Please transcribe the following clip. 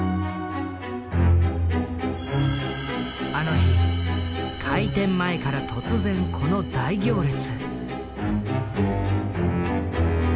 あの日開店前から突然この大行列。